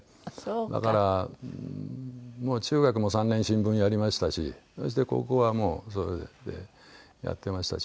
だからもう中学も３年新聞やりましたしそして高校はもうそれでやってましたし。